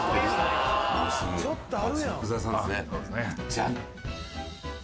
じゃん！